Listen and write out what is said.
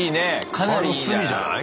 かなりいいんじゃない？